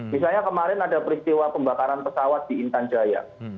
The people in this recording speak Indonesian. misalnya kemarin ada peristiwa pembakaran pesawat di intan jaya